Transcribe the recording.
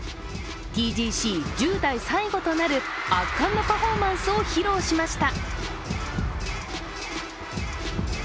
ＴＧＣ、１０代最後となる圧巻のパフォーマンスを披露しました。